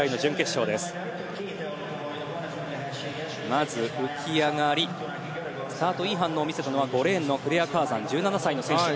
まず、浮き上がりスタートいい反応を見せたのは５レーンのクレア・カーザン１７歳の選手。